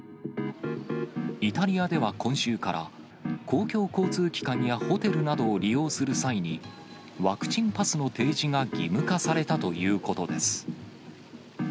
イタリアでは今週から、公共交通機関やホテルなどを利用する際に、ワクチンパスの提示が義務化されたということです。